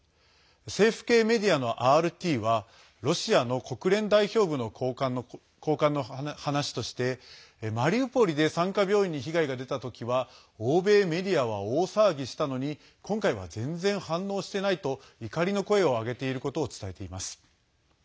政府系メディアのＲＴはロシアの国連代表部の高官の話としてマリウポリで産科病院に被害が出たときは欧米メディアは大騒ぎしたのに今回は全然、反応してないと怒りの声を上げていることを伝えています。